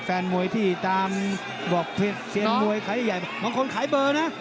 แฟนมวยที่ตามบอกเพจเซียนมวยขายใหญ่บางคนขายเบอร์นะ